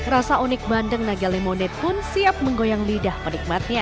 rasa unik bandeng naga lemonded pun siap menggoyang lidah penikmatnya